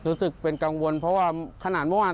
รู้สึกเป็นกังวลเพราะว่าขนาดเมื่อวาน